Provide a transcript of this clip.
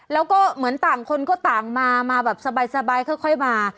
แล้วก็เหมือนต่างคนก็ต่างมามาแบบสบายค่อยมา